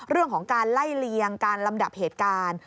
เรื่องของการไล่เลียงการลำดับเหตุการณ์